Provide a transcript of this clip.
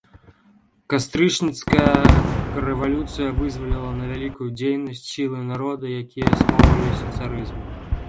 Кастрычніцкая рэвалюцыя вызваліла на вялікую дзейнасць сілы народа, якія скоўваліся царызмам.